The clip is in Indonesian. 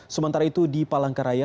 sementara itu di palangkaraya